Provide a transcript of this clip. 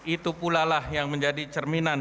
itu pulalah yang menjadi cerminan